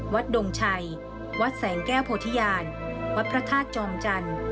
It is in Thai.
ดงชัยวัดแสงแก้วโพธิญาณวัดพระธาตุจอมจันทร์